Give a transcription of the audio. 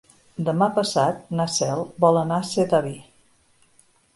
Demà passat na Cel vol anar a Sedaví.